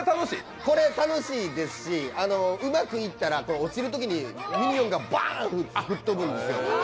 これ、楽しいですし、うまくいったら落ちるときにミニオンがバーンって吹っ飛ぶんですよ。